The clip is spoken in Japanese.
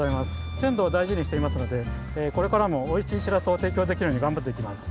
せんどをだいじにしていますのでこれからもおいしいしらすをていきょうできるようにがんばっていきます。